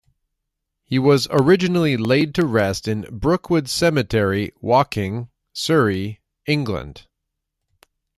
He was originally laid to rest in Brookwood Cemetery, Woking, Surrey, England.